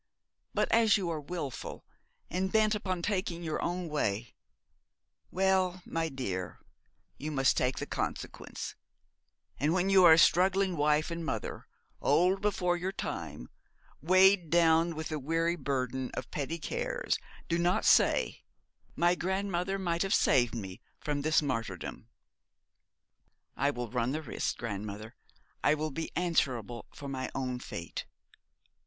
But as you are wilful, and bent upon taking your own way well my dear, you must take the consequence; and when you are a struggling wife and mother, old before your time, weighed down with the weary burden of petty cares, do not say, "My grandmother might have saved me from this martyrdom."' 'I will run the risk, grandmother. I will be answerable for my own fate.'